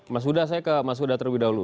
mas huda saya ke mas huda terlebih dahulu